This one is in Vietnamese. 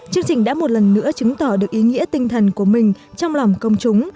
chương trình đã một lần nữa chứng tỏ được ý nghĩa tinh thần của mình trong lòng công chúng